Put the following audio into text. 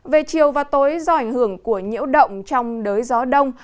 về chiều và tối do ảnh hưởng của nhiễu động trong đới gió đông